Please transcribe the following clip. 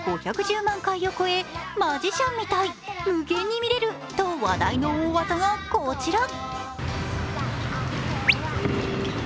５１０万回を超え、マジシャンみたい、無限に見れると話題の大技がこちら。